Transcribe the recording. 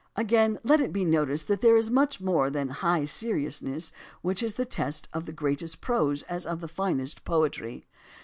Again, let it be noticed that there is much more than the "high seriousness," which is the test of the greatest prose as of the finest poetry.